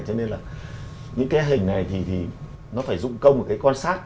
cho nên là những cái hình này thì nó phải dụng công một cái quan sát